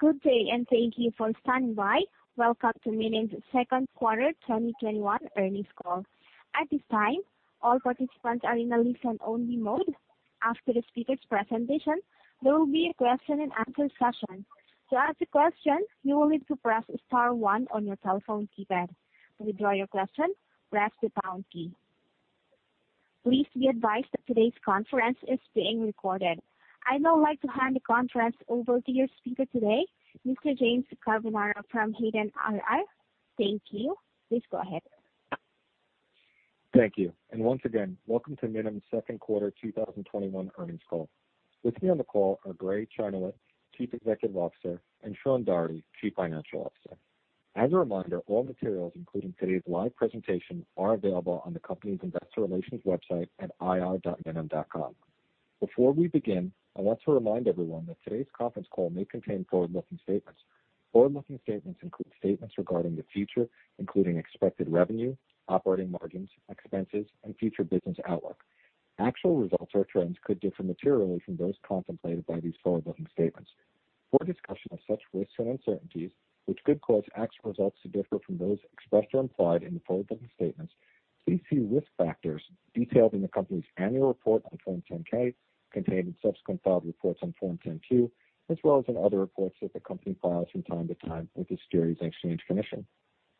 Good day, and thank you for standing by. Welcome to Minim's Second Quarter 2021 Earnings Call. At this time, all participants are in a listen-only mode. After the speakers' presentation, there will be a question and answer session. To ask a question, you will need to press star one on your telephone keypad. To withdraw your question, press the pound key. Please be advised that today's conference is being recorded. I'd now like to hand the conference over to your speaker today, Mr. James Carbonara from Hayden IR. Thank you. Please go ahead. Thank you. Once again, Welcome to Minim's Second Quarter 2021 Earnings Call. With me on the call are Gray Chynoweth, Chief Executive Officer, and Sean Doherty, Chief Financial Officer. As a reminder, all materials, including today's live presentation, are available on the company's investor relations website at ir.minim.com. Before we begin, I want to remind everyone that today's conference call may contain forward-looking statements. Forward-looking statements include statements regarding the future, including expected revenue, operating margins, expenses, and future business outlook. Actual results or trends could differ materially from those contemplated by these forward-looking statements. For a discussion of such risks and uncertainties, which could cause actual results to differ from those expressed or implied in the forward-looking statements, please see risk factors detailed in the company's annual report on Form 10-K, contained in subsequent filed reports on Form 10-Q, as well as in other reports that the company files from time to time with the Securities and Exchange Commission.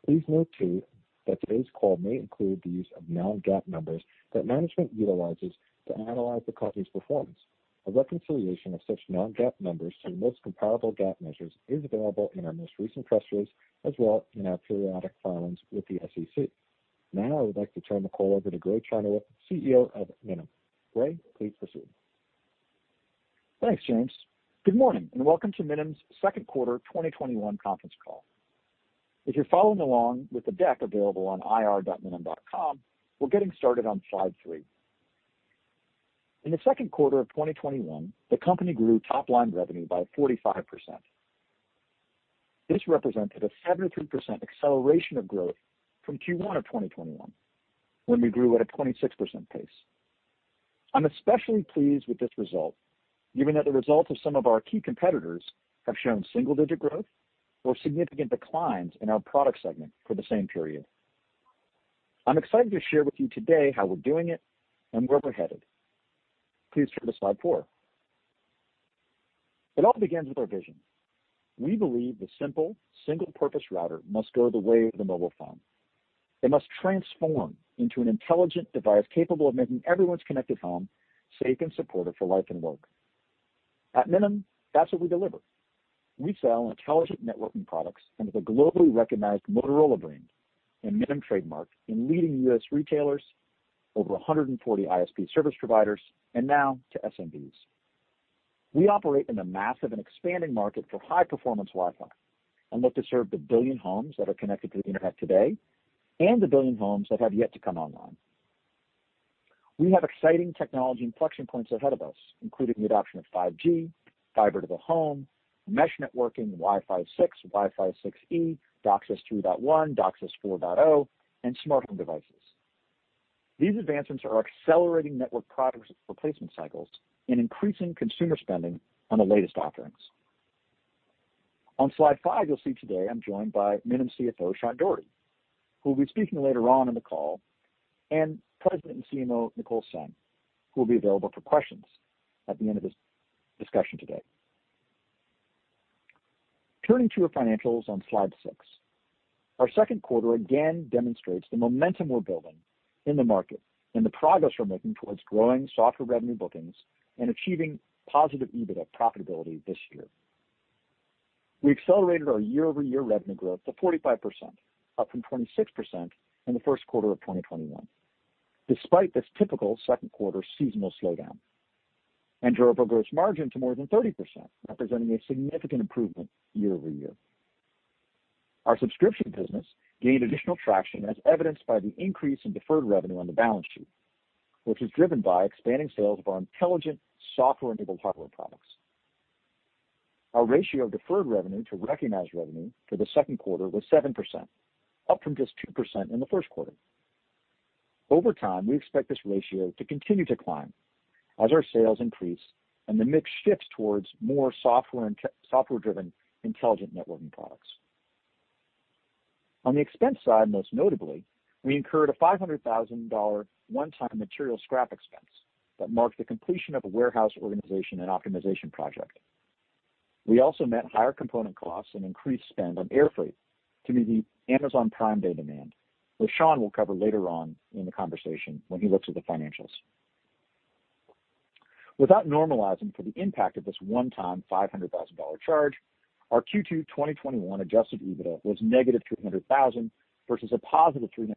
Please note too, that today's call may include the use of non-GAAP numbers that management utilizes to analyze the company's performance. A reconciliation of such non-GAAP numbers to the most comparable GAAP measures is available in our most recent press release, as well in our periodic filings with the SEC. Now I would like to turn the call over to Gray Chynoweth, CEO of Minim. Gray, please proceed. Thanks, James. Good morning, and Welcome to Minim's Second Quarter 2021 Conference Call. If you're following along with the deck available on ir.minim.com, we're getting started on slide three. In the second quarter of 2021, the company grew top-line revenue by 45%. This represented a 73% acceleration of growth from Q1 of 2021, when we grew at a 26% pace. I'm especially pleased with this result given that the results of some of our key competitors have shown single-digit growth or significant declines in our product segment for the same period. I'm excited to share with you today how we're doing it and where we're headed. Please turn to slide four. It all begins with our vision. We believe the simple, single-purpose router must go the way of the mobile phone. It must transform into an intelligent device capable of making everyone's connected home safe and supportive for life and work. At Minim, that's what we deliver. We sell intelligent networking products under the globally recognized Motorola brand and Minim trademark in leading U.S. retailers, over 140 ISP service providers, and now to SMBs. We operate in a massive and expanding market for high-performance Wi-Fi and look to serve the billion homes that are connected to the internet today and the billion homes that have yet to come online. We have exciting technology inflection points ahead of us, including the adoption of 5G, fiber to the home, mesh networking, Wi-Fi 6, Wi-Fi 6E, DOCSIS 3.1, DOCSIS 4.0, and smart home devices. These advancements are accelerating network product replacement cycles and increasing consumer spending on the latest offerings. On slide five, you'll see today I'm joined by Minim CFO, Sean Doherty, who will be speaking later on in the call, and President and CMO, Nicole Zheng, who will be available for questions at the end of this discussion today. Turning to our financials on slide six. Our second quarter again demonstrates the momentum we're building in the market and the progress we're making towards growing software revenue bookings and achieving positive EBITDA profitability this year. We accelerated our year-over-year revenue growth to 45%, up from 26% in the first quarter of 2021, despite this typical second quarter seasonal slowdown, and drove our gross margin to more than 30%, representing a significant improvement year-over-year. Our subscription business gained additional traction as evidenced by the increase in deferred revenue on the balance sheet, which is driven by expanding sales of our intelligent software-enabled hardware products. Our ratio of deferred revenue to recognized revenue for the second quarter was 7%, up from just 2% in the first quarter. Over time, we expect this ratio to continue to climb as our sales increase and the mix shifts towards more software-driven intelligent networking products. On the expense side, most notably, we incurred a $500,000 one-time material scrap expense that marked the completion of a warehouse organization and optimization project. We also met higher component costs and increased spend on air freight to meet the Amazon Prime Day demand, which Sean will cover later on in the conversation when he looks at the financials. Without normalizing for the impact of this one-time $500,000 charge, our Q2 2021 adjusted EBITDA was -$300,000 versus a +$300,000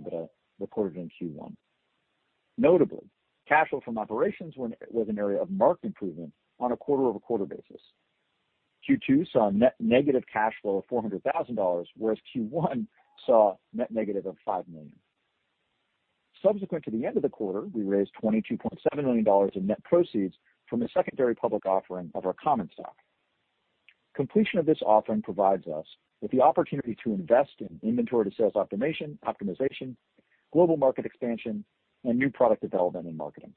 EBITDA reported in Q1. Notably, cash flow from operations was an area of marked improvement on a quarter-over-quarter basis. Q2 saw a net negative cash flow of $400,000, whereas Q1 saw net negative of $5 million. Subsequent to the end of the quarter, we raised $22.7 million in net proceeds from the secondary public offering of our common stock. Completion of this offering provides us with the opportunity to invest in inventory to sales optimization, global market expansion, and new product development and marketing.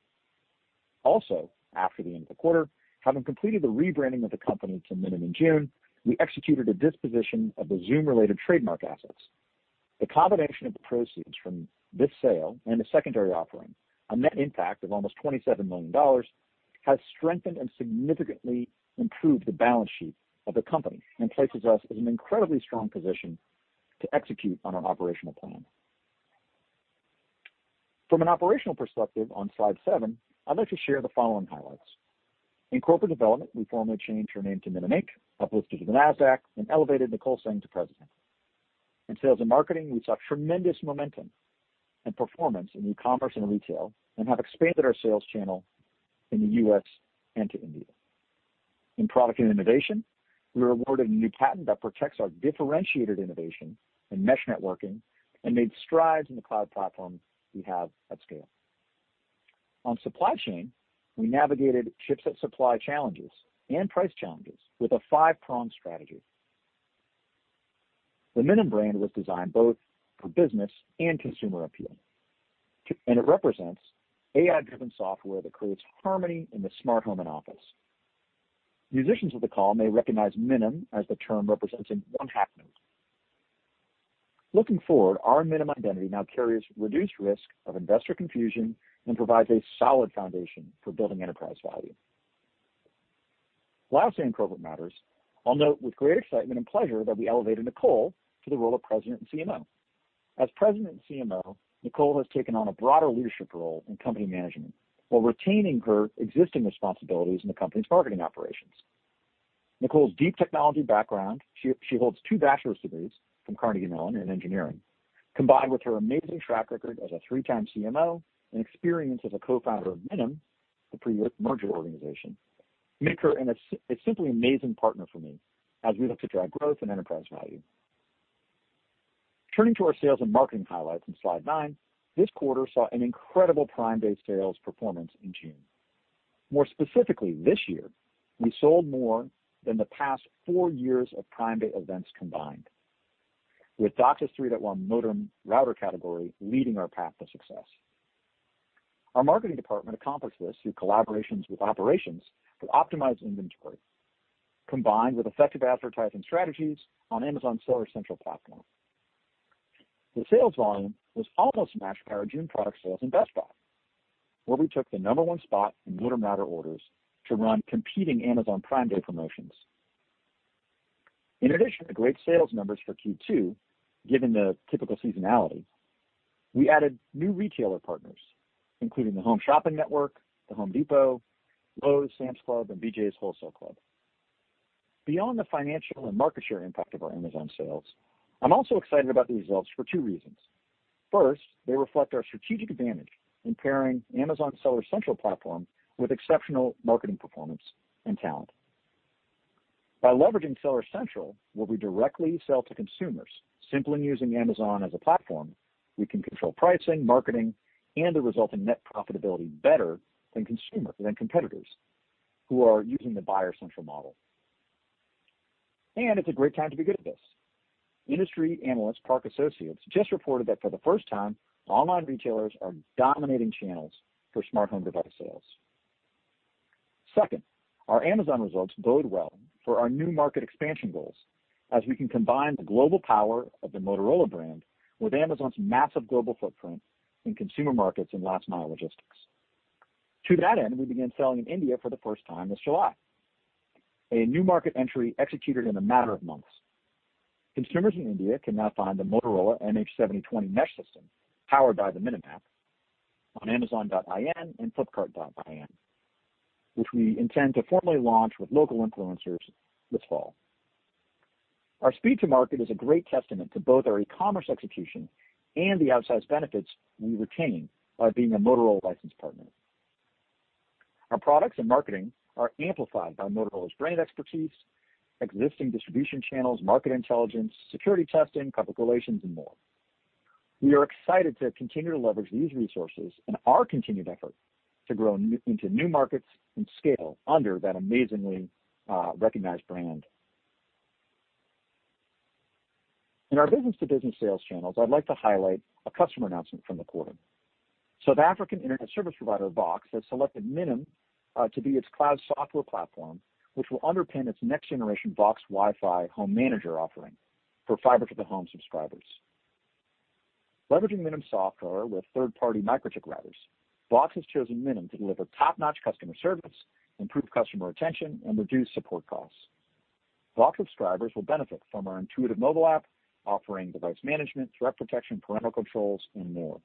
After the end of the quarter, having completed the rebranding of the company to Minim in June, we executed a disposition of the Zoom-related trademark assets. The combination of the proceeds from this sale and the secondary offering, a net impact of almost $27 million, has strengthened and significantly improved the balance sheet of the company and places us in an incredibly strong position to execute on our operational plan. From an operational perspective on slide seven, I'd like to share the following highlights. In corporate development, we formally changed our name to Minim, Inc., uplisted to the NASDAQ, and elevated Nicole Zheng to President. In sales and marketing, we saw tremendous momentum and performance in e-commerce and retail and have expanded our sales channel in the U.S. and to India. In product and innovation, we were awarded a new patent that protects our differentiated innovation in mesh networking and made strides in the cloud platform we have at scale. On supply chain, we navigated chipset supply challenges and price challenges with a five-pronged strategy. The Minim brand was designed both for business and consumer appeal, and it represents AI-driven software that creates harmony in the smart home and office. Musicians of the call may recognize Minim as the term representing one half note. Looking forward, our Minim identity now carries reduced risk of investor confusion and provides a solid foundation for building enterprise value. Lastly, in corporate matters, I'll note with great excitement and pleasure that we elevated Nicole to the role of President and CMO. As President and CMO, Nicole has taken on a broader leadership role in company management while retaining her existing responsibilities in the company's marketing operations. Nicole's deep technology background, she holds two bachelor's degrees from Carnegie Mellon in engineering, combined with her amazing track record as a three-time CMO and experience as a co-founder of Minim, the pre-merger organization, make her a simply amazing partner for me as we look to drive growth and enterprise value. Turning to our sales and marketing highlights on slide nine, this quarter saw an incredible Prime Day sales performance in June. More specifically, this year, we sold more than the past four years of Prime Day events combined with DOCSIS 3.1 modem router category leading our path to success. Our marketing department accomplished this through collaborations with operations to optimize inventory, combined with effective advertising strategies on Amazon Seller Central Platform. The sales volume was almost matched by our June product sales in Best Buy, where we took the number one spot in modem router orders to run competing Amazon Prime Day promotions. In addition to great sales numbers for Q2, given the typical seasonality, we added new retailer partners, including the Home Shopping Network, The Home Depot, Lowe's, Sam's Club, and BJ's Wholesale Club. Beyond the financial and market share impact of our Amazon sales, I'm also excited about the results for two reasons. First, they reflect our strategic advantage in pairing Amazon Seller Central Platform with exceptional marketing performance and talent. By leveraging Seller Central, where we directly sell to consumers, simply using Amazon as a platform, we can control pricing, marketing, and the resulting net profitability better than competitors who are using the Buyer Central model. It's a great time to be good at this. Industry analyst Parks Associates just reported that for the first time, online retailers are dominating channels for smart home device sales. Second, our Amazon results bode well for our new market expansion goals as we can combine the global power of the Motorola brand with Amazon's massive global footprint in consumer markets and last-mile logistics. To that end, we began selling in India for the first time this July. A new market entry executed in a matter of months. Consumers in India can now find the Motorola MH7020 mesh system powered by the Minim app on amazon.in and flipkart.in, which we intend to formally launch with local influencers this fall. Our speed to market is a great testament to both our e-commerce execution and the outsized benefits we retain by being a Motorola licensed partner. Our products and marketing are amplified by Motorola's brand expertise, existing distribution channels, market intelligence, security testing, public relations, and more. We are excited to continue to leverage these resources in our continued effort to grow into new markets and scale under that amazingly recognized brand. In our business-to-business sales channels, I'd like to highlight a customer announcement from the quarter. South African internet service provider Vox has selected Minim to be its cloud software platform, which will underpin its next-generation Vox Wi-Fi Home Manager offering for fiber to the home subscribers. Leveraging Minim software with third-party Microchip routers, Vox has chosen Minim to deliver top-notch customer service, improve customer retention, and reduce support costs. Vox subscribers will benefit from our intuitive mobile app offering device management, threat protection, parental controls, and more.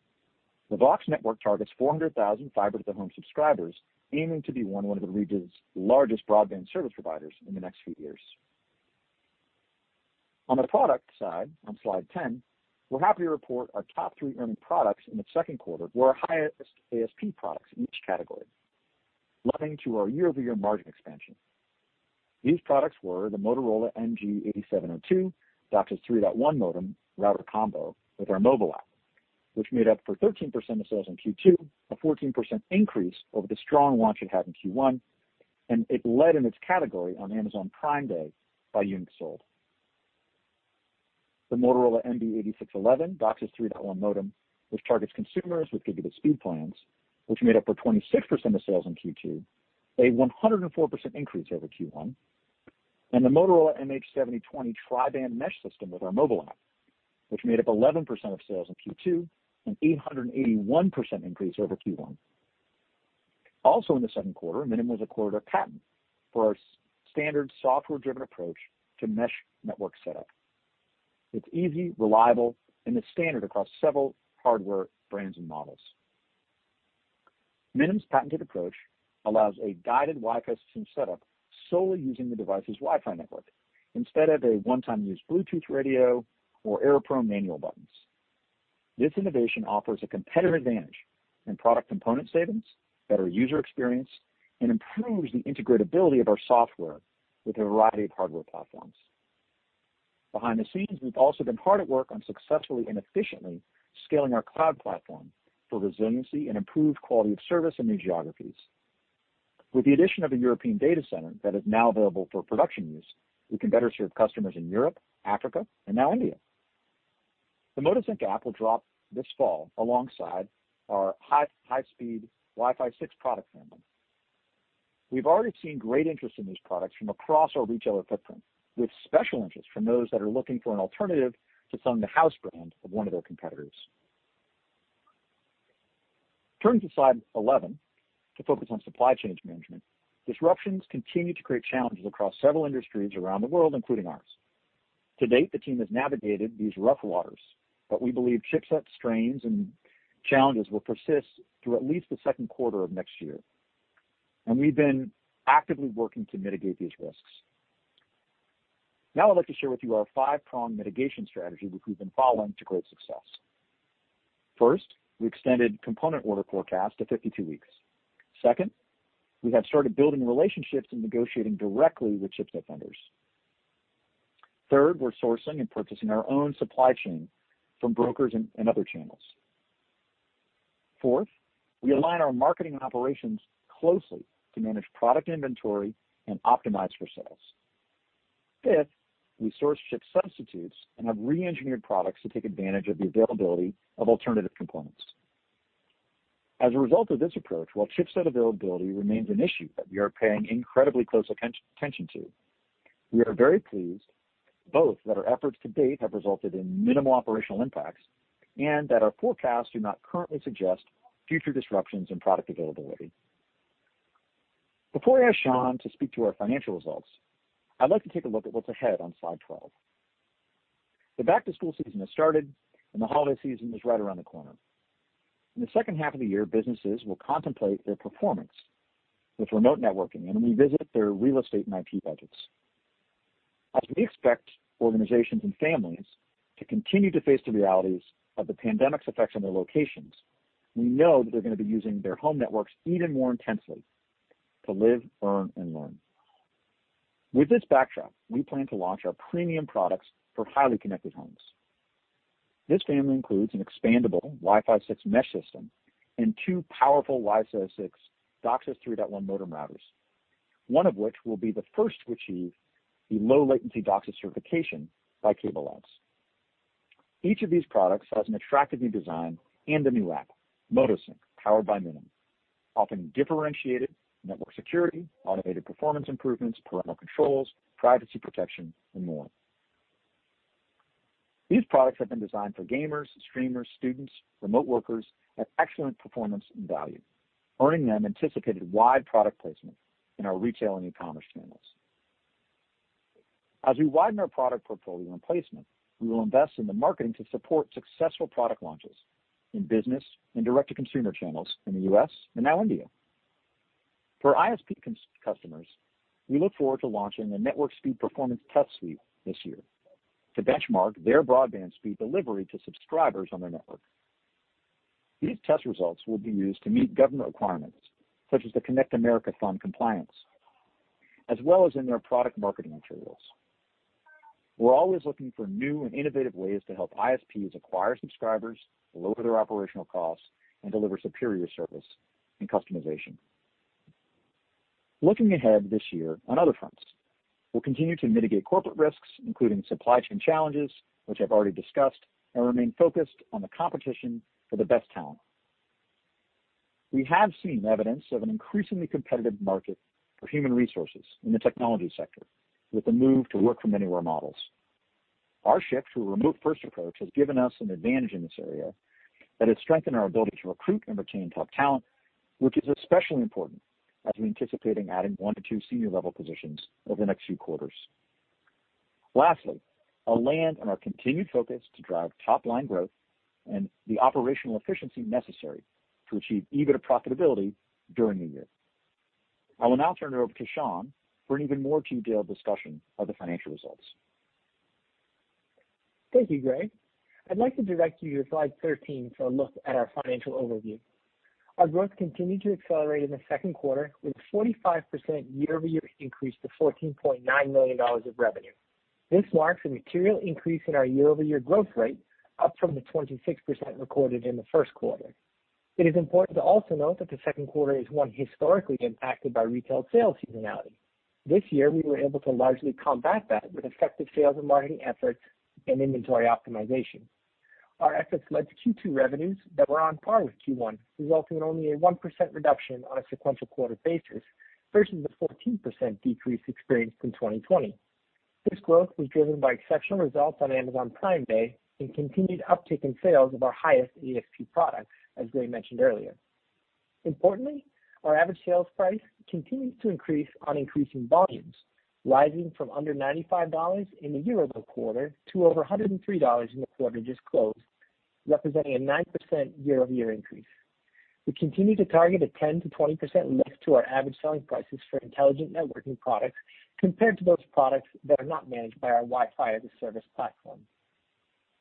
The Vox network targets 400,000 fiber to the home subscribers aiming to be one of the region's largest broadband service providers in the next few years. On the product side, on slide 10, we're happy to report our top three earning products in the second quarter were our highest ASP products in each category, leading to our year-over-year margin expansion. These products were the Motorola MG8702 DOCSIS 3.1 modem router combo with our mobile app, which made up for 13% of sales in Q2, a 14% increase over the strong launch it had in Q1, and it led in its category on Amazon Prime Day by units sold. The Motorola MB8611 DOCSIS 3.1 modem, which targets consumers with gigabit speed plans, which made up for 26% of sales in Q2, a 104% increase over Q1. The Motorola MH7020 tri-band mesh system with our mobile app, which made up 11% of sales in Q2, an 881% increase over Q1. Also in the second quarter, Minim was accorded a patent for our standard software-driven approach to mesh network setup. It's easy, reliable, and is standard across several hardware brands and models. Minim's patented approach allows a guided Wi-Fi system setup solely using the device's Wi-Fi network, instead of a one-time use Bluetooth radio or error-prone manual buttons. This innovation offers a competitive advantage in product component savings, better user experience, and improves the integrability of our software with a variety of hardware platforms. Behind the scenes, we've also been hard at work on successfully and efficiently scaling our cloud platform for resiliency and improved quality of service in new geographies. With the addition of a European data center that is now available for production use, we can better serve customers in Europe, Africa, and now India. The motosync app will drop this fall alongside our high-speed Wi-Fi 6 product family. We've already seen great interest in these products from across our retailer footprint, with special interest from those that are looking for an alternative to some of the house brands of one of their competitors. Turning to slide 11 to focus on supply chains management. Disruptions continue to create challenges across several industries around the world, including ours. To date, the team has navigated these rough waters, but we believe chipset strains and challenges will persist through at least the second quarter of next year, and we've been actively working to mitigate these risks. Now I'd like to share with you our five-pronged mitigation strategy, which we've been following to great success. First, we extended component order forecast to 52 weeks. Second, we have started building relationships and negotiating directly with chipset vendors. Third, we're sourcing and purchasing our own supply chain from brokers and other channels. Fourth, we align our marketing operations closely to manage product inventory and optimize for sales. Fifth, we source chip substitutes and have re-engineered products to take advantage of the availability of alternative components. As a result of this approach, while chipset availability remains an issue that we are paying incredibly close attention to, we are very pleased both that our efforts to date have resulted in minimal operational impacts and that our forecasts do not currently suggest future disruptions in product availability. Before I ask Sean to speak to our financial results, I'd like to take a look at what's ahead on slide 12. The back-to-school season has started, and the holiday season is right around the corner. In the second half of the year, businesses will contemplate their performance with remote networking and revisit their real estate and IT budgets. As we expect organizations and families to continue to face the realities of the pandemic's effects on their locations, we know that they're going to be using their home networks even more intensely to live, work, and learn. With this backdrop, we plan to launch our premium products for highly connected homes. This family includes an expandable Wi-Fi 6 mesh system and two powerful Wi-Fi 6 DOCSIS 3.1 modem routers, one of which will be the first to achieve the low latency DOCSIS certification by CableLabs. Each of these products has an attractive new design and a new app, motosync, powered by Minim, offering differentiated network security, automated performance improvements, parental controls, privacy protection, and more. These products have been designed for gamers, streamers, students, remote workers, have excellent performance and value, earning them anticipated wide product placement in our retail and e-commerce channels. As we widen our product portfolio and placement, we will invest in the marketing to support successful product launches in business and direct-to-consumer channels in the U.S. and now India. For ISP customers, we look forward to launching the network speed performance test suite this year to benchmark their broadband speed delivery to subscribers on their network. These test results will be used to meet government requirements, such as the Connect America Fund compliance, as well as in their product marketing materials. We're always looking for new and innovative ways to help ISPs acquire subscribers, lower their operational costs, and deliver superior service and customization. Looking ahead this year on other fronts, we'll continue to mitigate corporate risks, including supply chain challenges, which I've already discussed, and remain focused on the competition for the best talent. We have seen evidence of an increasingly competitive market for human resources in the technology sector with the move to work from anywhere models. Our shift to a remote first approach has given us an advantage in this area that has strengthened our ability to recruit and retain top talent, which is especially important as we're anticipating adding one to two senior level positions over the next few quarters. Lastly, I'll land on our continued focus to drive top-line growth and the operational efficiency necessary to achieve EBITDA profitability during the year. I will now turn it over to Sean for an even more detailed discussion of the financial results. Thank you, Gray. I'd like to direct you to slide 13 for a look at our financial overview. Our growth continued to accelerate in the second quarter with a 45% year-over-year increase to $14.9 million of revenue. This marks a material increase in our year-over-year growth rate, up from the 26% recorded in the first quarter. It is important to also note that the second quarter is one historically impacted by retail sales seasonality. This year, we were able to largely combat that with effective sales and marketing efforts and inventory optimization. Our efforts led to Q2 revenues that were on par with Q1, resulting in only a 1% reduction on a sequential quarter basis, versus the 14% decrease experienced in 2020. This growth was driven by exceptional results on Amazon Prime Day and continued uptick in sales of our highest ASP product, as Gray mentioned earlier. Our average sales price continues to increase on increasing volumes, rising from under $95 in the year-over-quarter to over $103 in the quarter just closed, representing a 9% year-over-year increase. We continue to target a 10%-20% lift to our average selling prices for intelligent networking products compared to those products that are not managed by our Wi-Fi as a Service platform.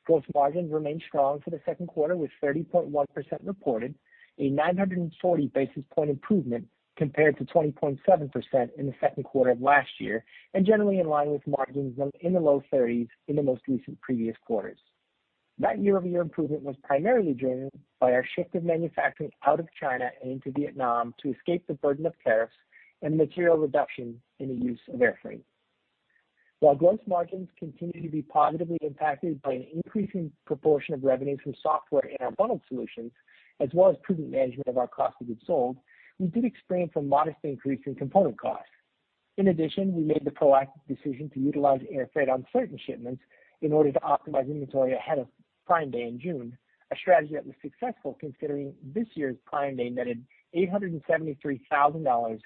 Gross margin remained strong for the second quarter with 30.1% reported, a 940 basis point improvement compared to 20.7% in the second quarter of last year, and generally in line with margins in the low 30s in the most recent previous quarters. Year-over-year improvement was primarily driven by our shift of manufacturing out of China and into Vietnam to escape the burden of tariffs and material reduction in the use of air freight. While gross margins continue to be positively impacted by an increasing proportion of revenues from software and our bundled solutions, as well as prudent management of our cost of goods sold, we did experience a modest increase in component costs. In addition, we made the proactive decision to utilize air freight on certain shipments in order to optimize inventory ahead of Prime Day in June, a strategy that was successful considering this year's Prime Day netted $873,000,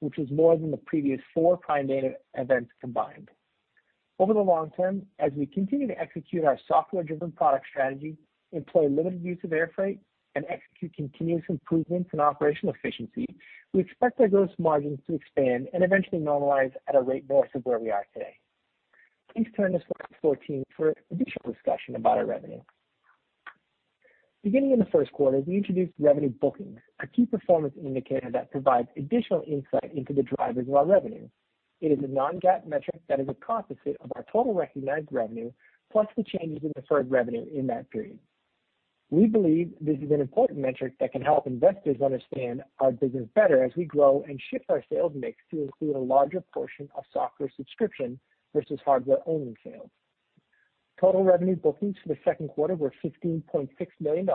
which was more than the previous four Prime Day events combined. Over the long term, as we continue to execute our software-driven product strategy, employ limited use of air freight, and execute continuous improvements in operational efficiency, we expect our gross margins to expand and eventually normalize at a rate north of where we are today. Please turn to slide 14 for additional discussion about our revenue. Beginning in the first quarter, we introduced revenue bookings, a key performance indicator that provides additional insight into the drivers of our revenue. It is a non-GAAP metric that is a composite of our total recognized revenue, plus the changes in deferred revenue in that period. We believe this is an important metric that can help investors understand our business better as we grow and shift our sales mix to include a larger portion of software subscription versus hardware-only sales. Total revenue bookings for the second quarter were $15.6 million,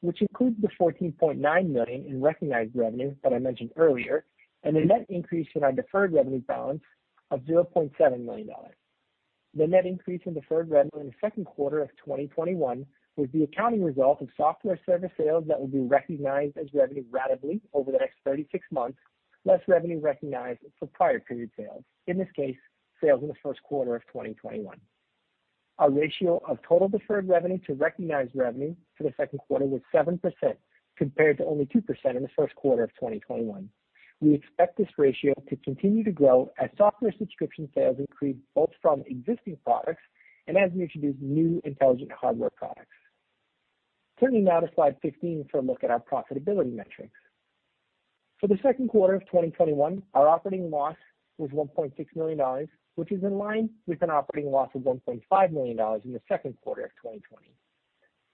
which includes the $14.9 million in recognized revenue that I mentioned earlier, and a net increase in our deferred revenue balance of $0.7 million. The net increase in deferred revenue in the second quarter of 2021 was the accounting result of software service sales that will be recognized as revenue ratably over the next 36 months, less revenue recognized for prior period sales, in this case, sales in the first quarter of 2021. Our ratio of total deferred revenue to recognized revenue for the second quarter was 7%, compared to only 2% in the first quarter of 2021. We expect this ratio to continue to grow as software subscription sales increase, both from existing products and as we introduce new intelligent hardware products. Turning now to slide 15 for a look at our profitability metrics. For the second quarter of 2021, our operating loss was $1.6 million, which is in line with an operating loss of $1.5 million in the second quarter of 2020.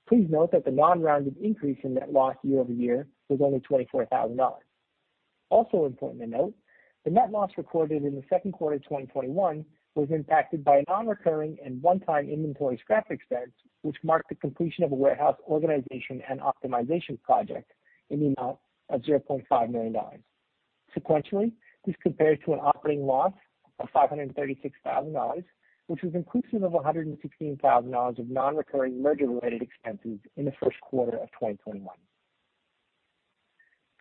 Please note that the non-rounded increase in net loss year-over-year was only $24,000. Also important to note, the net loss recorded in the second quarter of 2021 was impacted by a non-recurring and one-time inventory scrap expense, which marked the completion of a warehouse organization and optimization project in the amount of $0.5 million. Sequentially, this compares to an operating loss of $536,000, which was inclusive of $116,000 of non-recurring merger-related expenses in the first quarter of 2021.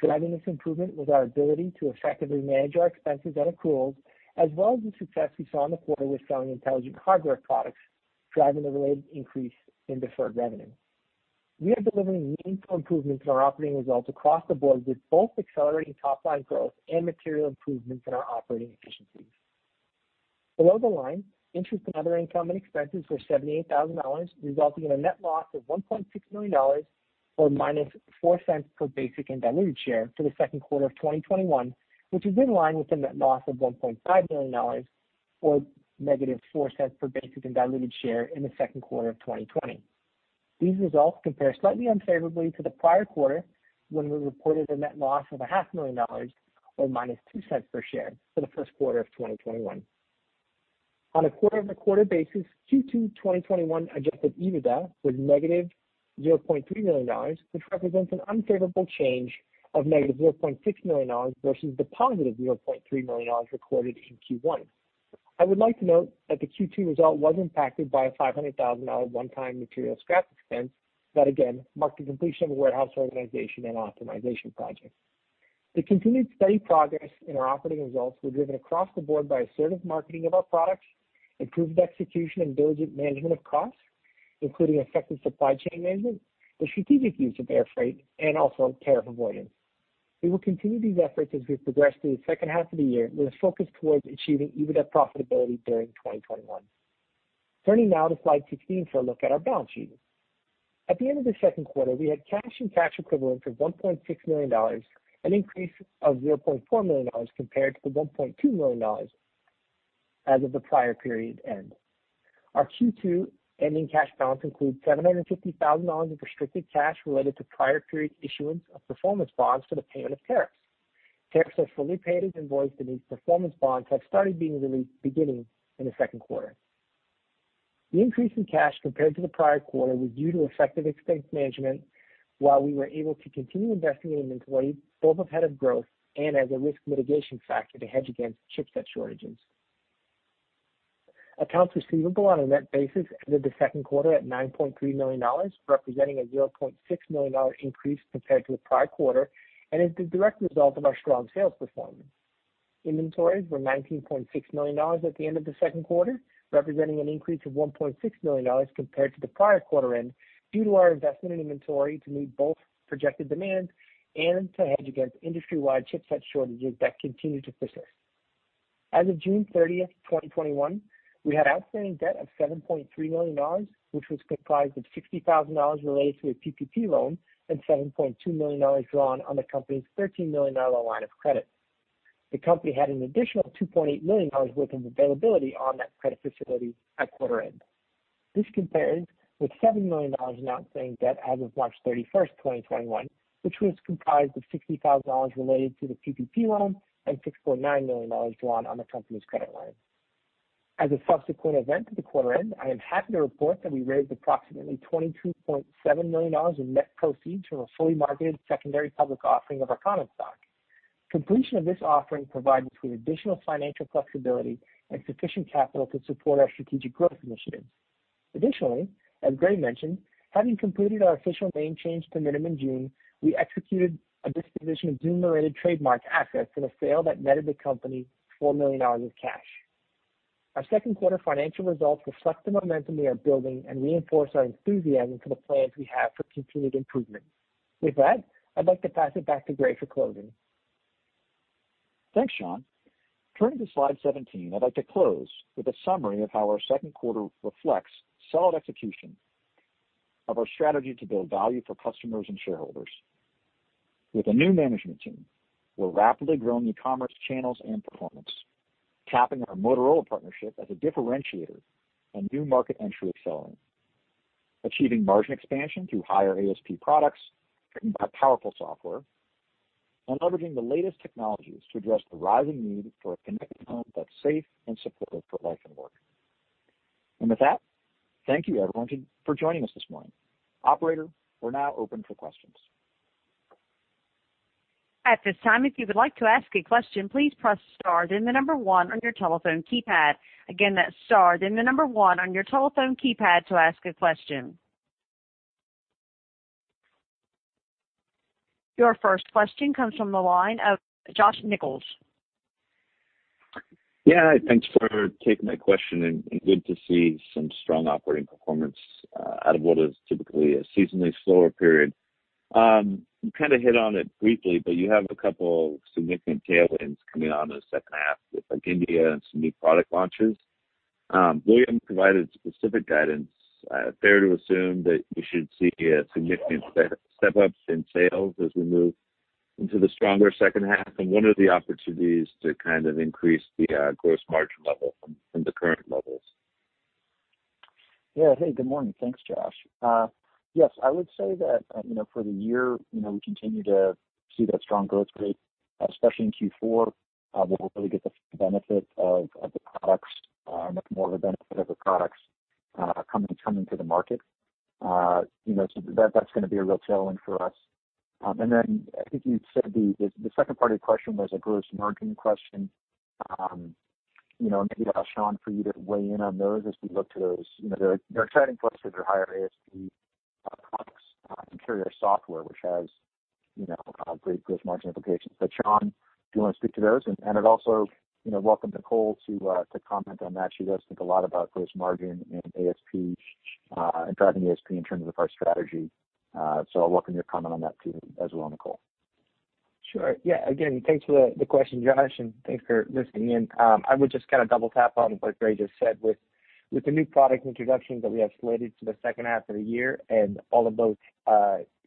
Driving this improvement was our ability to effectively manage our expenses and accruals, as well as the success we saw in the quarter with selling intelligent hardware products, driving a related increase in deferred revenue. We are delivering meaningful improvements in our operating results across the board with both accelerating top-line growth and material improvements in our operating efficiencies. Below the line, interest and other income and expenses were $78,000, resulting in a net loss of $1.6 million or -$0.04 per basic and diluted share for the second quarter of 2021, which is in line with the net loss of $1.5 million or negative $0.04 per basic and diluted share in the second quarter of 2020. These results compare slightly unfavorably to the prior quarter, when we reported a net loss of a $500,000 or -$0.02 per share for the first quarter of 2021. On a quarter-over-quarter basis, Q2 2021 adjusted EBITDA was -$0.3 million, which represents an unfavorable change of -$0.6 million versus the +$0.3 million recorded in Q1. I would like to note that the Q2 result was impacted by a $500,000 one-time material scrap expense that again marked the completion of a warehouse organization and optimization project. The continued steady progress in our operating results were driven across the board by assertive marketing of our products, improved execution and diligent management of costs, including effective supply chain management, the strategic use of air freight, and also tariff avoidance. We will continue these efforts as we progress through the second half of the year with a focus towards achieving EBITDA profitability during 2021. Turning now to slide 16 for a look at our balance sheet. At the end of the second quarter, we had cash and cash equivalents of $1.6 million, an increase of $0.4 million compared to the $1.2 million as of the prior period end. Our Q2 ending cash balance includes $750,000 of restricted cash related to prior period's issuance of performance bonds for the payment of tariffs. Tariffs are fully paid as invoiced, and these performance bonds have started beginning in the second quarter. The increase in cash compared to the prior quarter was due to effective expense management, while we were able to continue investing in inventory, both ahead of growth and as a risk mitigation factor to hedge against chipset shortages. Accounts receivable on a net basis ended the second quarter at $9.3 million, representing a $0.6 million increase compared to the prior quarter, and is the direct result of our strong sales performance. Inventories were $19.6 million at the end of the second quarter, representing an increase of $1.6 million compared to the prior quarter end due to our investment in inventory to meet both projected demands and to hedge against industry-wide chipset shortages that continue to persist. As of June 30th, 2021, we had outstanding debt of $7.3 million, which was comprised of $60,000 related to a PPP loan and $7.2 million drawn on the company's $13 million line of credit. The company had an additional $2.8 million worth of availability on that credit facility at quarter end. This compares with $7 million in outstanding debt as of March 31st, 2021, which was comprised of $60,000 related to the PPP loan and $6.9 million drawn on the company's credit line. As a subsequent event to the quarter end, I am happy to report that we raised approximately $22.7 million in net proceeds from a fully marketed secondary public offering of our common stock. Completion of this offering provided some additional financial flexibility and sufficient capital to support our strategic growth initiatives. Additionally, as Gray mentioned, having completed our official name change to Minim June, we executed a disposition of Zoom-related trademark assets in a sale that netted the company $4 million in cash. Our second quarter financial results reflect the momentum we are building and reinforce our enthusiasm for the plans we have for continued improvement. With that, I'd like to pass it back to Gray for closing. Thanks, Sean. Turning to slide 17, I'd like to close with a summary of how our second quarter reflects solid execution of our strategy to build value for customers and shareholders. With a new management team, we're rapidly growing e-commerce channels and performance, tapping our Motorola partnership as a differentiator and new market entry accelerant. Achieving margin expansion through higher ASP products driven by powerful software, and leveraging the latest technologies to address the rising need for a connected home that's safe and supportive for life and work. With that, thank you, everyone, for joining us this morning. Operator, we're now open for questions. At this time, if you would like to ask a question, please press star, then the number one on your telephone keypad. Again, that's star, then the number one on your telephone keypad to ask a question. Your first question comes from the line of Josh Nichols. Yeah. Thanks for taking my question, and good to see some strong operating performance out of what is typically a seasonally slower period. You kind of hit on it briefly, but you have a couple significant tailwinds coming out in the second half with India and some new product launches. While you haven't provided specific guidance. Fair to assume that you should see a significant step up in sales as we move into the stronger second half? What are the opportunities to kind of increase the gross margin level from the current levels? Good morning. Thanks, Josh. I would say that for the year, we continue to see that strong growth rate, especially in Q4, where we'll really get the benefit of the products and much more of a benefit of the products coming to the market. That's going to be a real tailwind for us. I think you said the second part of your question was a gross margin question. Maybe I'll ask Sean for you to weigh in on those as we look to those. They're exciting for us because they're higher ASP products and carrier software, which has great gross margin implications. Sean, do you want to speak to those? I'd also welcome Nicole to comment on that. She does think a lot about gross margin and ASP and driving ASP in terms of our strategy. I welcome your comment on that, too, as well, Nicole. Sure. Yeah. Again, thanks for the question, Josh, and thanks for listening in. I would just kind of double tap on what Gray just said with the new product introductions that we have slated to the second half of the year and all of those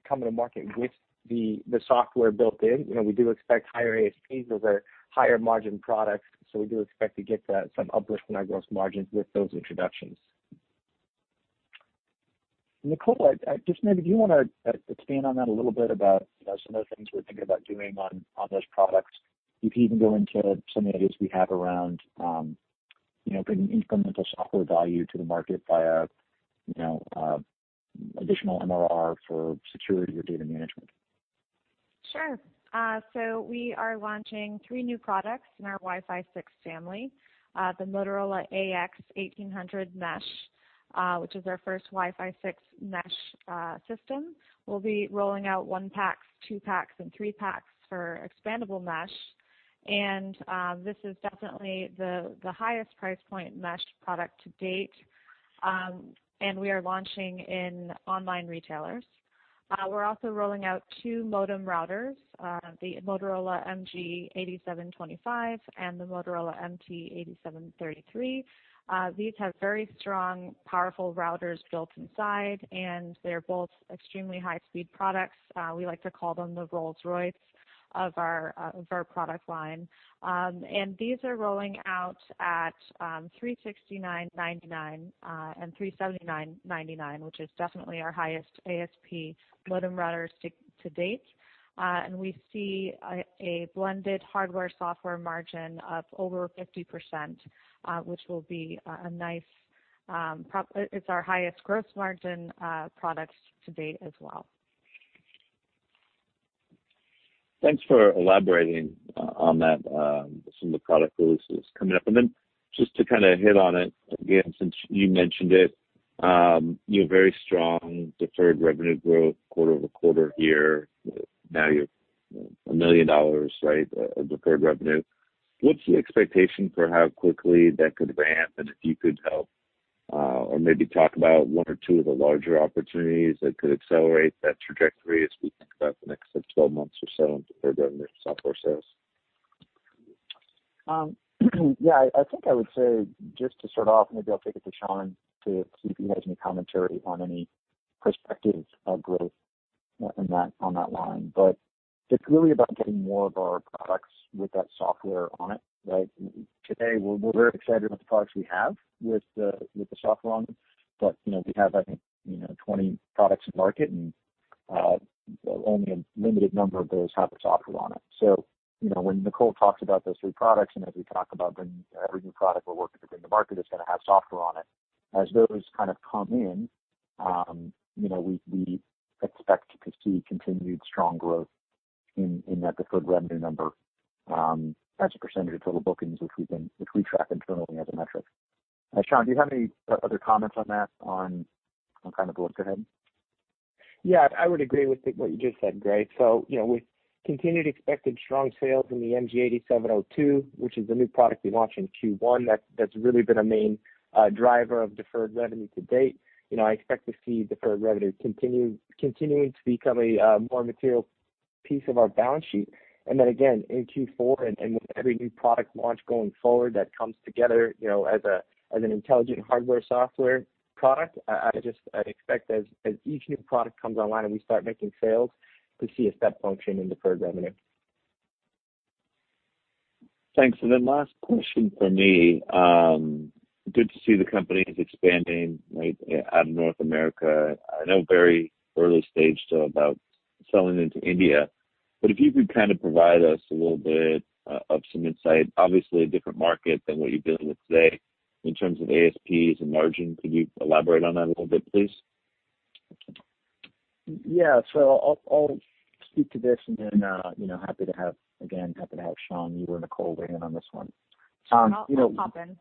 coming to market with the software built in. We do expect higher ASPs with our higher margin products. We do expect to get some uplift in our gross margins with those introductions. Nicole, just maybe do you want to expand on that a little bit about some of the things we're thinking about doing on those products? You can even go into some of the ideas we have around bringing incremental software value to the market via additional MRR for security or data management. Sure. We are launching three new products in our Wi-Fi 6 family. The Motorola AX1800 Mesh, which is our first Wi-Fi 6 mesh system. We'll be rolling out one packs, two packs, and three packs for expandable mesh. This is definitely the highest price point mesh product to date, and we are launching in online retailers. We're also rolling out two modem routers, the Motorola MG8725 and the Motorola MT8733. These have very strong, powerful routers built inside, and they're both extremely high-speed products. We like to call them the Rolls-Royce of our product line. These are rolling out at $369.99 and $379.99, which is definitely our highest ASP modem routers to date. We see a blended hardware, software margin of over 50%, it's our highest gross margin products to date as well. Thanks for elaborating on that. Some of the product releases coming up. Then just to hit on it again, since you mentioned it, very strong deferred revenue growth quarter-over-quarter here. Now you're a million of deferred revenue. What's the expectation for how quickly that could ramp? If you could help, or maybe talk about one or two of the larger opportunities that could accelerate that trajectory as we think about the next 12 months or so in deferred revenue software sales. Yeah. I think I would say, just to start off, maybe I'll kick it to Sean to see if he has any commentary on any prospective growth on that line. It's really about getting more of our products with that software on it. Today, we're very excited about the products we have with the software on them. We have, I think, 20 products to market, and only a limited number of those have the software on it. When Nicole talks about those three products, and as we talk about every new product we're working to bring to market is going to have software on it. As those kind of come in, we expect to see continued strong growth in that deferred revenue number, as a percentage of total bookings, which we track internally as a metric. Sean, do you have any other comments on that, on kind of the look ahead? Yeah, I would agree with what you just said, Gray. With continued expected strong sales in the MG8702, which is a new product we launched in Q1, that's really been a main driver of deferred revenue to date. I expect to see deferred revenue continuing to become a more material piece of our balance sheet. Again, in Q4 and with every new product launch going forward that comes together as an intelligent hardware, software product, I'd expect as each new product comes online and we start making sales, to see a step function in deferred revenue. Thanks. Last question from me. Good to see the company is expanding out of North America. I know very early stage still about selling into India, if you could kind of provide us a little bit of some insight, obviously a different market than what you're dealing with today in terms of ASPs and margin. Could you elaborate on that a little bit, please? Yeah. I'll speak to this and then happy to have Sean, you or Nicole weigh in on this one. Sure, I'll pop in.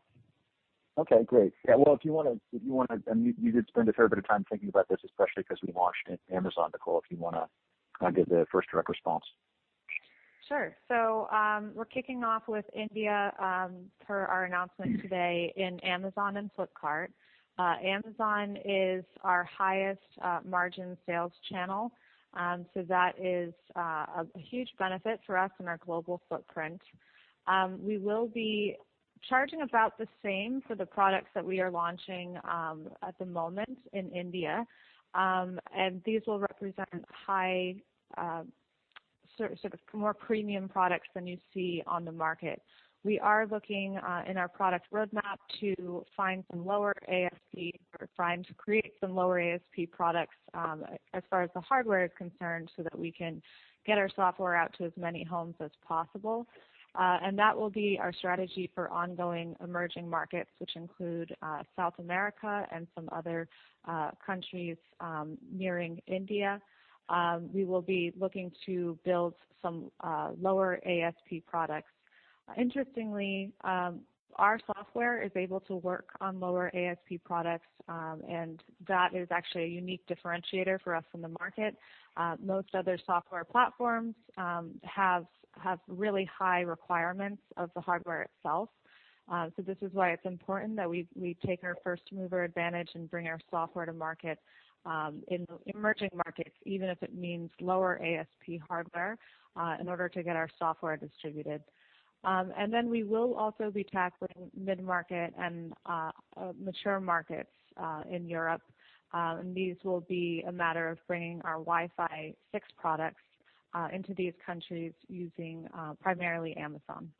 Okay, great. Yeah, well, you did spend a fair bit of time thinking about this, especially because we launched in Amazon, Nicole, if you want to give the first direct response. Sure. We're kicking off with India, per our announcement today in Amazon and Flipkart. Amazon is our highest margin sales channel. That is a huge benefit for us in our global footprint. We will be charging about the same for the products that we are launching at the moment in India. These will represent high, sort of more premium products than you see on the market. We are looking in our product roadmap to find some lower ASP, or trying to create some lower ASP products as far as the hardware is concerned, so that we can get our software out to as many homes as possible. That will be our strategy for ongoing emerging markets, which include South America and some other countries nearing India. We will be looking to build some lower ASP products. Interestingly, our software is able to work on lower ASP products, that is actually a unique differentiator for us in the market. Most other software platforms have really high requirements of the hardware itself. This is why it's important that we take our first-mover advantage and bring our software to market in emerging markets, even if it means lower ASP hardware in order to get our software distributed. Then we will also be tackling mid-market and mature markets in Europe. These will be a matter of bringing our Wi-Fi 6 products into these countries using primarily Amazon.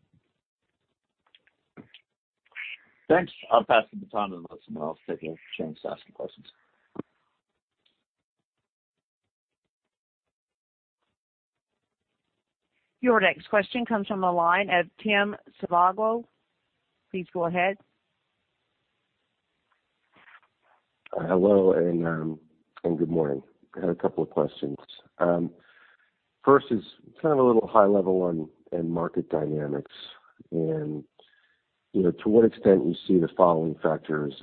Thanks. I'll pass the baton to someone else taking a chance to ask some questions. Your next question comes from the line of Tim Savageaux. Please go ahead. Hello, good morning. I had a couple of questions. First is kind of a little high level on end market dynamics, to what extent you see the following factors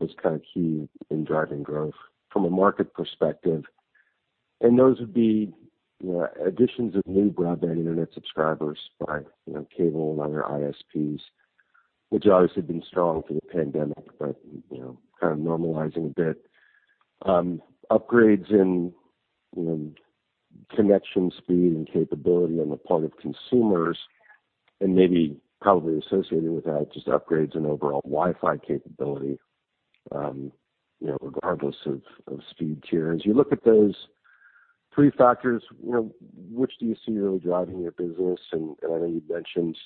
as kind of key in driving growth from a market perspective. Those would be additions of new broadband Internet subscribers by cable and other ISPs, which obviously have been strong through the pandemic, but kind of normalizing a bit. Upgrades in connection speed and capability on the part of consumers, maybe probably associated with that, just upgrades in overall Wi-Fi capability, regardless of speed tiers. You look at those three factors, which do you see really driving your business? I know you mentioned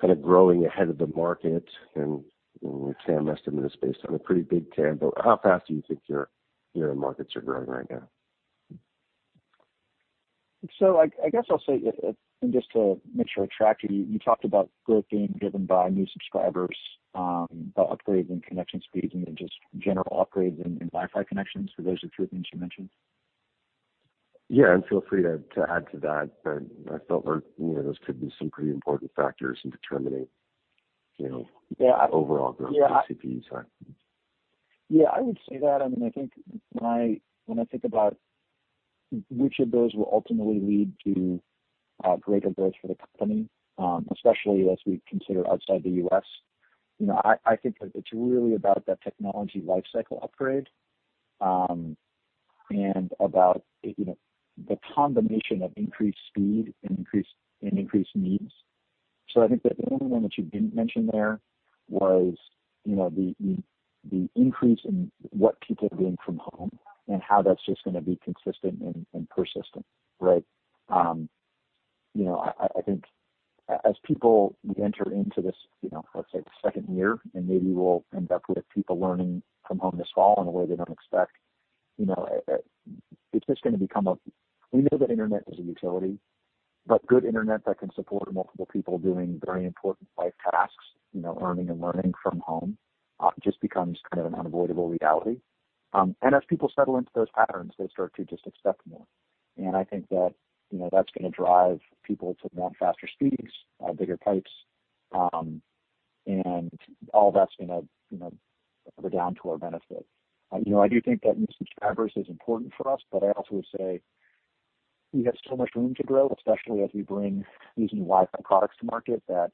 kind of growing ahead of the market, your TAM estimate is based on a pretty big TAM, how fast do you think your markets are growing right now? I guess I'll say, and just to make sure I track you talked about growth being driven by new subscribers, about upgrades in connection speeds, and then just general upgrades in Wi-Fi connections. Were those the three things you mentioned? Yeah. Feel free to add to that, but I felt like those could be some pretty important factors in determining. Yeah overall growth for CPE side. Yeah, I would say that. I think when I think about which of those will ultimately lead to greater growth for the company, especially as we consider outside the U.S., I think that it's really about that technology life cycle upgrade, and about the combination of increased speed and increased needs. I think that the only one that you didn't mention there was the increase in what people are doing from home and how that's just going to be consistent and persistent, right? I think as people enter into this, let's say, the second year, and maybe we'll end up with people learning from home this fall in a way they don't expect, it's just going to become. We know that internet is a utility, but good internet that can support multiple people doing very important life tasks, earning and learning from home, just becomes kind of an unavoidable reality. As people settle into those patterns, they start to just accept more. I think that's going to drive people to want faster speeds, bigger pipes, and all that's going to further down to our benefit. I do think that new subscribers is important for us, but I also would say we have so much room to grow, especially as we bring these new Wi-Fi products to market that,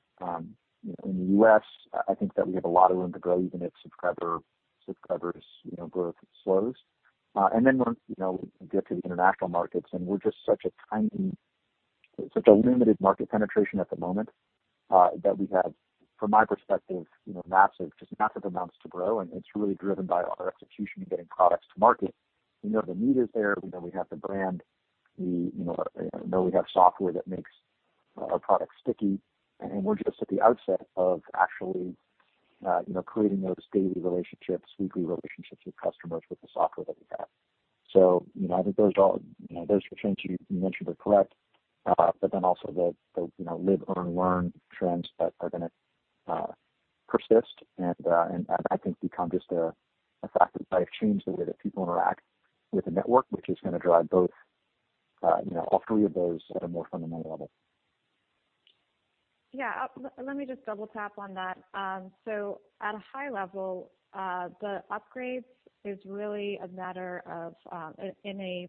in the U.S., I think that we have a lot of room to grow, even if subscriber growth slows. Once we get to the international markets, and we're just such a limited market penetration at the moment, that we have, from my perspective, just massive amounts to grow, and it's really driven by our execution in getting products to market. We know the need is there. We know we have the brand. We know we have software that makes our product sticky, and we're just at the outset of actually creating those daily relationships, weekly relationships with customers, with the software that we have. I think those trends you mentioned are correct, but then also the live, earn, learn trends that are going to persist and I think become just a fact of life, change the way that people interact with the network, which is going to drive all three of those at a more fundamental level. Yeah. Let me just double tap on that. At a high level, the upgrades is really a matter of, in a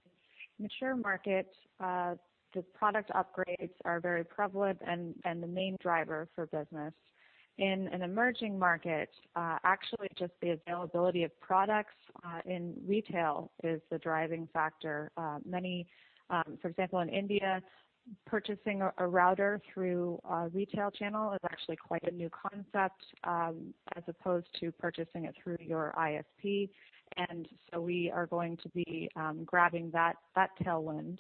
mature market, the product upgrades are very prevalent and the main driver for business. In an emerging market, actually, just the availability of products in retail is the driving factor. For example, in India, purchasing a router through a retail channel is actually quite a new concept, as opposed to purchasing it through your ISP. We are going to be grabbing that tailwind.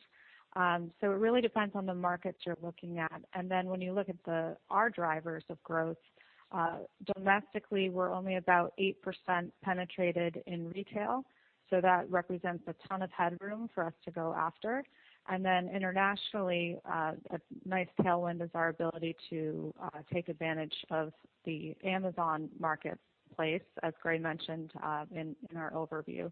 It really depends on the markets you're looking at. When you look at our drivers of growth, domestically, we're only about 8% penetrated in retail, so that represents a ton of headroom for us to go after. Internationally, a nice tailwind is our ability to take advantage of the Amazon marketplace, as Gray mentioned in our overview.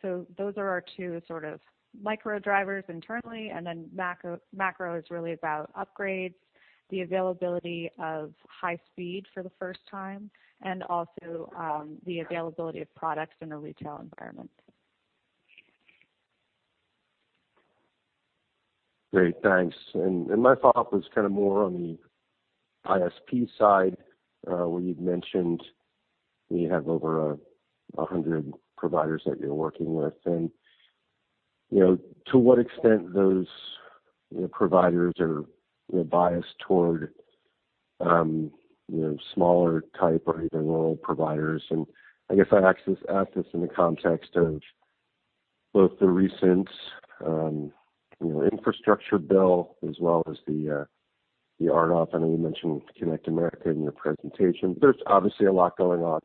Those are our two sort of micro drivers internally, and then macro is really about upgrades, the availability of high speed for the first time, and also the availability of products in a retail environment. Great. Thanks. My follow-up was kind of more on the ISP side, where you'd mentioned you have over 100 providers that you're working with, and to what extent those providers are biased toward smaller type or even rural providers. I guess I'd ask this in the context of both the recent infrastructure bill as well as the RDOF. I know you mentioned Connect America in your presentation. There's obviously a lot going on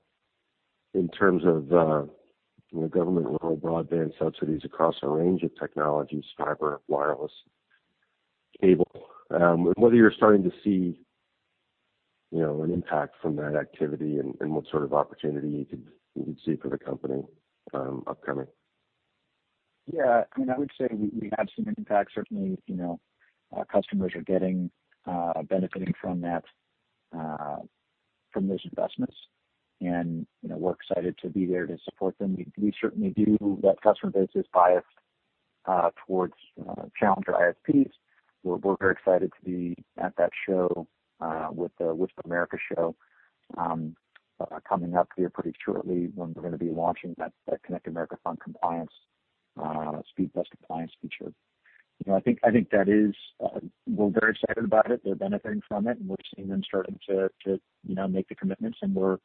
in terms of government rural broadband subsidies across a range of technologies, fiber, wireless, cable. Whether you're starting to see an impact from that activity and what sort of opportunity you could see for the company upcoming. Yeah. I would say we have some impact. Certainly, customers are benefiting from those investments, and we're excited to be there to support them. We certainly do have customer bases biased towards Challenger ISPs. We're very excited to be at that show, with the WISPAMERICA Show coming up here pretty shortly, when we're going to be launching that Connect America Fund compliance, speed test compliance feature. We're very excited about it. We're seeing them starting to make the commitments, and we're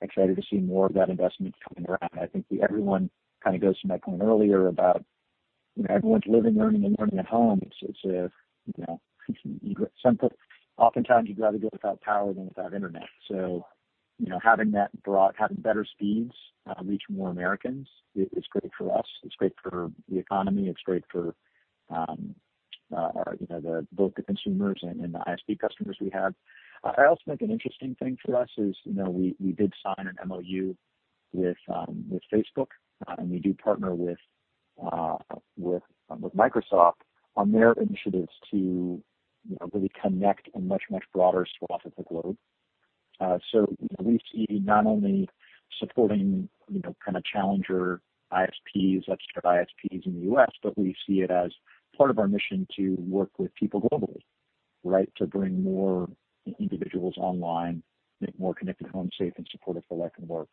excited to see more of that investment coming around. I think everyone kind of goes to my point earlier about everyone's living, learning, and working at home. Oftentimes, you'd rather go without power than without internet. Having better speeds, reaching more Americans is great for us, it's great for the economy, it's great for both the consumers and the ISP customers we have. I also think an interesting thing for us is we did sign an MOU with Facebook, and we do partner with Microsoft on their initiatives to really connect a much, much broader swath of the globe. We see not only supporting kind of challenger ISPs, registered ISPs in the U.S., but we see it as part of our mission to work with people globally, right? To bring more individuals online, make more connected homes safe and supportive for work and life.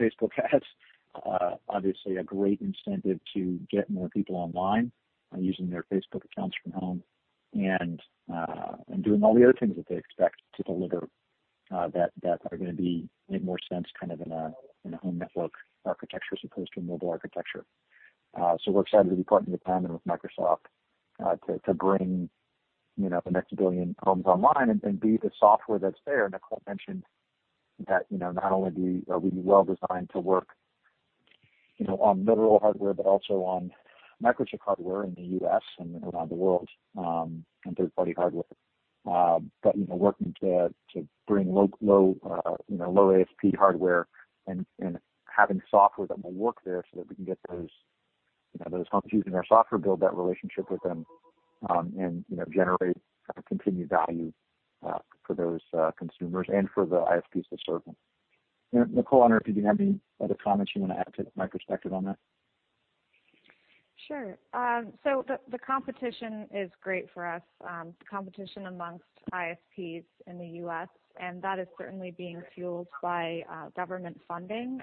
Facebook has obviously a great incentive to get more people online and using their Facebook accounts from home and doing all the other things that they expect to deliver that are going to make more sense kind of in a home network architecture as opposed to a mobile architecture. We're excited to be partnering with them and with Microsoft, to bring the next billion homes online and be the software that's there. Nicole mentioned that not only are we well-designed to work on Minim hardware, but also on Microchip hardware in the U.S. and around the world, and third-party hardware. Working to bring low ASP hardware and having software that will work there so that we can get those homes using our software, build that relationship with them, and generate continued value for those consumers and for the ISPs they're serving. Nicole, I wonder if you have any other comments you want to add to my perspective on that? Sure. The competition is great for us, the competition amongst ISPs in the U.S., and that is certainly being fueled by government funding.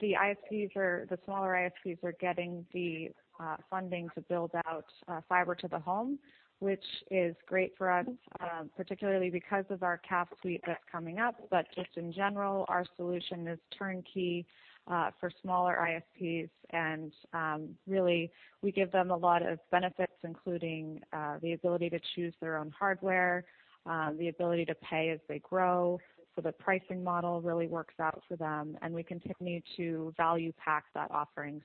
The smaller ISPs are getting the funding to build out fiber to the home, which is great for us, particularly because of our CAF suite that's coming up. Just in general, our solution is turnkey for smaller ISPs, and really, we give them a lot of benefits, including the ability to choose their own hardware, the ability to pay as they grow. The pricing model really works out for them, and we continue to value-pack that offering.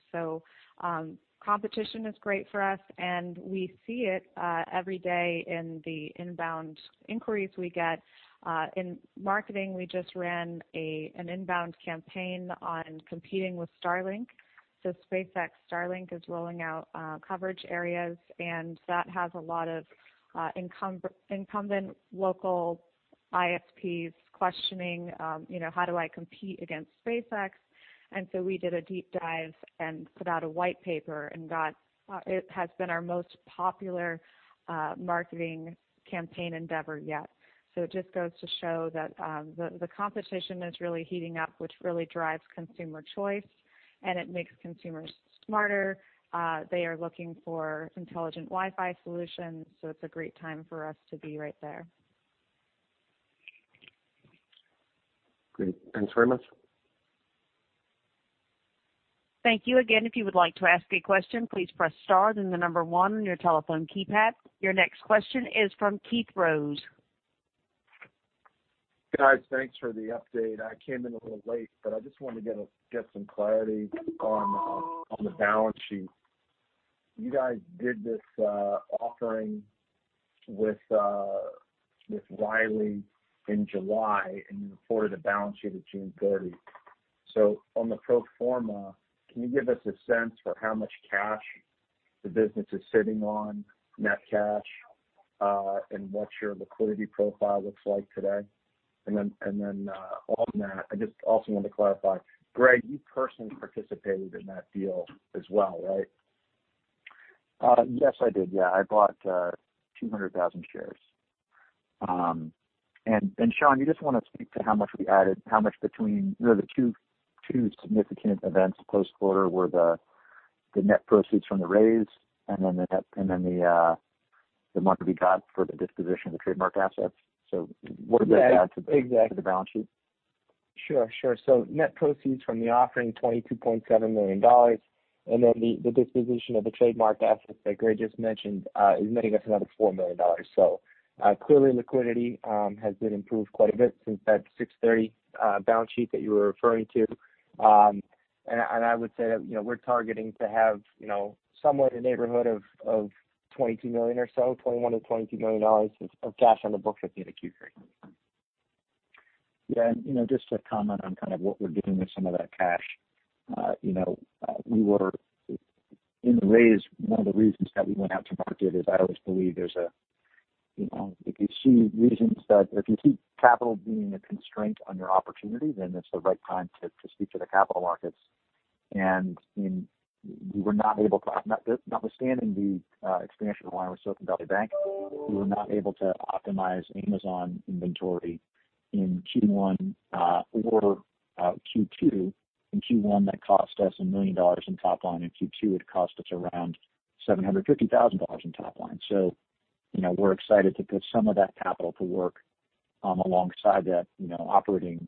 Competition is great for us, and we see it every day in the inbound inquiries we get. In marketing, we just ran an inbound campaign on competing with Starlink. SpaceX Starlink is rolling out coverage areas, that has a lot of incumbent local ISPs questioning, how do I compete against SpaceX? We did a deep dive and put out a white paper, it has been our most popular marketing campaign endeavor yet. It just goes to show that the competition is really heating up, which really drives consumer choice, it makes consumers smarter. They are looking for intelligent Wi-Fi solutions, it's a great time for us to be right there. Great. Thanks very much. Thank you. Again, if you would like to ask a question, please press star then the number one on your telephone keypad. Your next question is from Keith Rose. Guys, thanks for the update. I came in a little late, but I just wanted to get some clarity on the balance sheet. You guys did this offering with Wiley in July, and you reported a balance sheet of June 30. On the pro forma, can you give us a sense for how much cash the business is sitting on, net cash, and what your liquidity profile looks like today? On that, I just also want to clarify, Gray, you personally participated in that deal as well, right? Yes, I did. I bought 200,000 shares. Sean, you just want to speak to how much we added, how much between the two significant events post-quarter were the net proceeds from the raise and then the money we got for the disposition of the trademark assets. What did that add to the balance sheet? Sure. Net proceeds from the offering, $22.7 million, and then the disposition of the trademark assets that Gray just mentioned is netting us another $4 million. Clearly liquidity has been improved quite a bit since that 6/30 balance sheet that you were referring to. I would say that we're targeting to have somewhere in the neighborhood of $21 million-$22 million of cash on the books at the end of Q3. Yeah. Just to comment on kind of what we're doing with some of that cash. We were in the raise, one of the reasons that we went out to market is I always believe there's if you see reasons that, if you see capital being a constraint on your opportunity, then it's the right time to speak to the capital markets. We were not able to notwithstanding the expansion of the line with Silicon Valley Bank, we were not able to optimize Amazon inventory in Q1 or Q2. In Q1, that cost us $1 million in top line. In Q2, it cost us around $750,000 in top line. We're excited to put some of that capital to work alongside that operating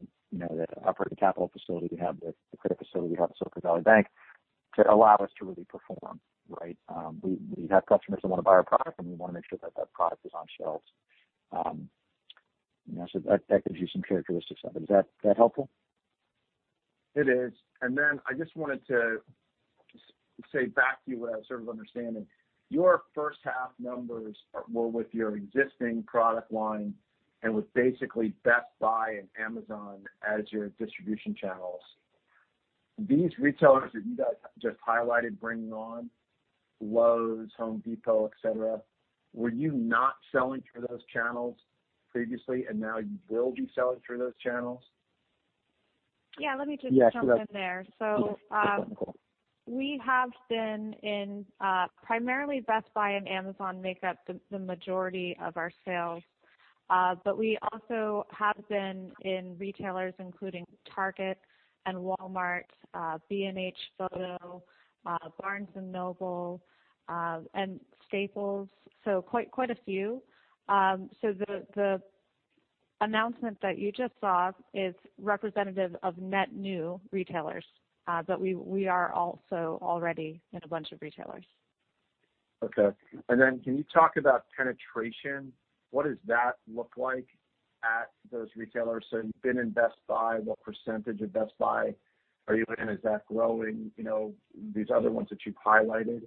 capital facility we have with the credit facility we have with Silicon Valley Bank, to allow us to really perform. Right? We have customers that want to buy our product, and we want to make sure that product is on shelves. That gives you some characteristics of it. Is that helpful? It is. I just wanted to say back to you what I was sort of understanding. Your first half numbers were with your existing product line and with basically Best Buy and Amazon as your distribution channels. These retailers that you guys just highlighted bringing on, Lowe's, Home Depot, et cetera, were you not selling through those channels previously, and now you will be selling through those channels? Yeah, let me just jump in there. Yeah. We have been in, primarily Best Buy and Amazon make up the majority of our sales. We also have been in retailers including Target and Walmart, B&H Photo, Barnes & Noble, and Staples. Quite a few. The announcement that you just saw is representative of net new retailers. We are also already in a bunch of retailers. Okay. Can you talk about penetration? What does that look like at those retailers? You've been in Best Buy, what percentage of Best Buy are you in? Is that growing? These other ones that you've highlighted,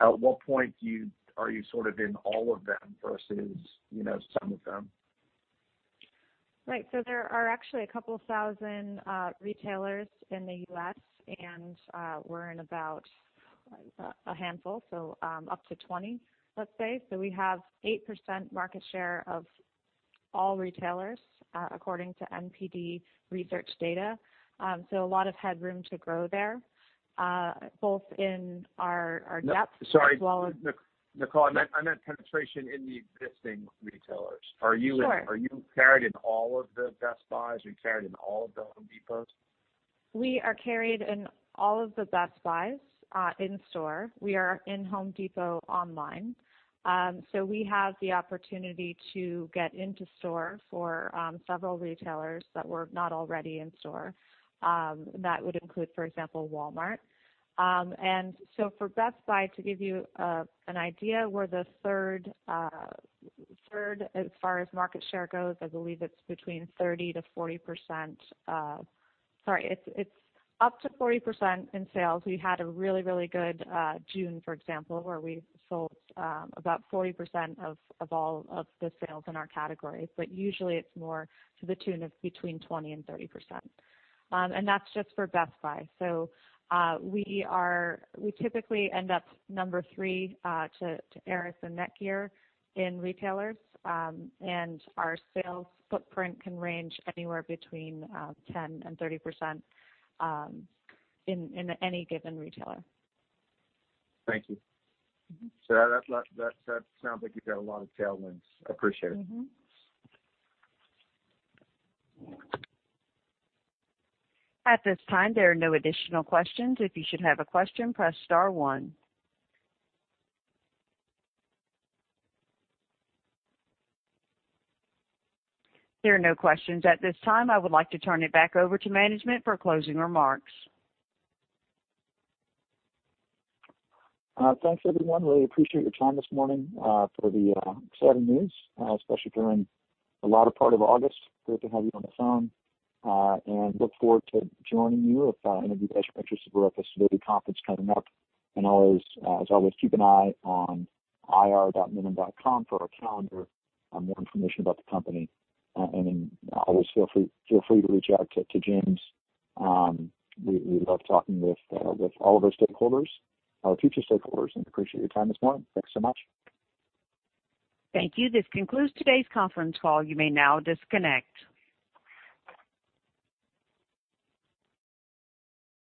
at what point are you sort of in all of them versus some of them? Right. There are actually a couple thousand retailers in the U.S., and we're in about a handful, so up to 20, let's say. We have 8% market share of all retailers, according to NPD research data. A lot of headroom to grow there, both in our depth as well as Sorry, Nicole, I meant penetration in the existing retailers. Sure. Are you carried in all of the Best Buys? Are you carried in all of the Home Depots? We are carried in all of the Best Buys in-store. We are in Home Depot online. We have the opportunity to get into store for several retailers that we're not already in store. That would include, for example, Walmart. For Best Buy, to give you an idea, we're the third as far as market share goes. I believe it's between 30%-40%. Sorry, it's up to 40% in sales. We had a really good June, for example, where we sold about 40% of all of the sales in our category. Usually, it's more to the tune of between 20%-30%. That's just for Best Buy. We typically end up number three to Arris and Netgear in retailers. Our sales footprint can range anywhere between 10%-30% in any given retailer. Thank you. That sounds like you've got a lot of tailwinds. Appreciate it. At this time, there are no additional questions. If you should have a question, press star one. There are no questions at this time. I would like to turn it back over to management for closing remarks. Thanks, everyone. Really appreciate your time this morning for the exciting news, especially during the latter part of August. Great to have you on the phone, and look forward to joining you if any of you guys are interested, we're at the Sidoti conference coming up, and as always, keep an eye on ir.minim.com for our calendar and more information about the company. Always feel free to reach out to James. We love talking with all of our stakeholders, our future stakeholders, and appreciate your time this morning. Thanks so much. Thank you. This concludes today's conference call. You may now disconnect.